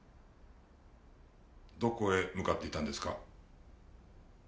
どこへ向かっていたんですか？